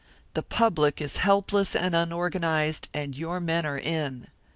The public is helpless and unorganised, and your men are in.